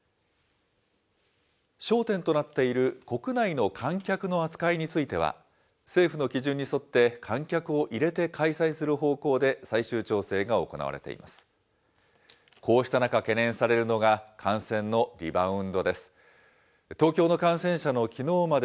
焦点となっている国内の観客の扱いについては、政府の基準に沿って観客を入れて開催する方向で、最終調整が行われています。